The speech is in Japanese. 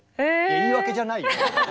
言い訳じゃないよ。